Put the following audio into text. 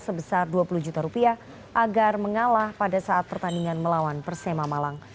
sebesar dua puluh juta rupiah agar mengalah pada saat pertandingan melawan persema malang